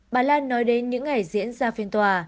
bà lan nói đến những ngày diễn ra phiên tòa